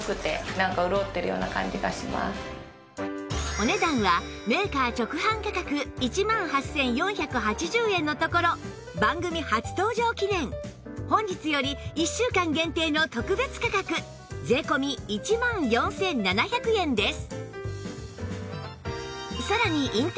お値段はメーカー直販価格１万８４８０円のところ番組初登場記念本日より１週間限定の特別価格税込１万４７００円です